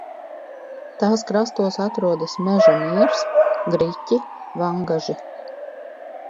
Tās krastos atrodas Meža Miers, Griķi, Vangaži.